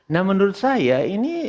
nah menurut saya ini